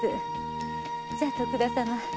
じゃあ徳田様